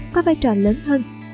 có vai trò lớn hơn